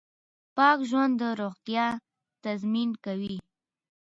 پاک ژوند د روغتیا تضمین کوي.